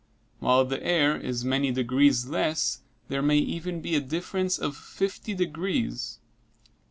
While the air is many degrees less, there may even be a difference of 50 degrees.